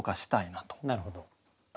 なるほど。